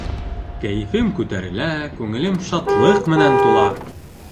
Кәйефем күтәрелә, күңелем шатлыҡ менән тула.